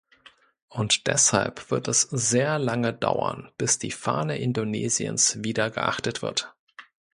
Und deshalb wird es sehr lange dauern, bis die Fahne Indonesiens wieder geachtet wird.